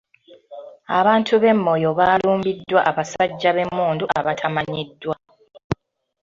Abantu b'e Moyo baalumbiddwa abasajja b'emmundu abatamanyiddwa.